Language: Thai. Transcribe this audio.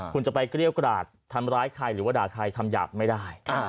คุณจะไปเกรี้ยวกราดทำร้ายใครหรือว่าด่าใครคำหยาบไม่ได้